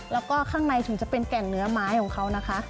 แล้วก็ข้างในถึงจะเป็นแก่งเนื้อไม้ของเขานะคะ